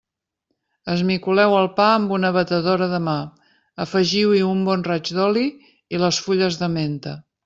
Esmicoleu el pa amb una batedora de mà, afegiu-hi un bon raig d'oli i les fulles de menta.